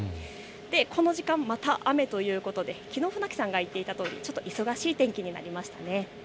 この時間、また雨ということできのう船木さんが言っていたとおり、少し忙しい天気になりましたね。